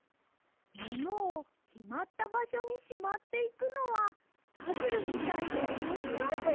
ものをきまったばしょにしまっていくのはパズルみたいでおもしろいです！